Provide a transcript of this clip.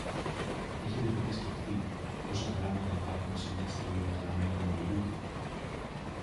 Έχετε ποτέ σκεφτεί πόσα γράμματα υπάρχουν σε μια σελίδα γραμμένη με μολύβι